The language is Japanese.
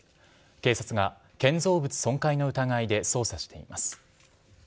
警察が建造物損壊の疑いで捜査しています。